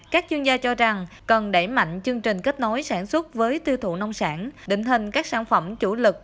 các chuyên gia cho rằng cần đẩy mạnh chương trình kết nối sản xuất với tiêu thụ nông sản định hình các sản phẩm chủ lực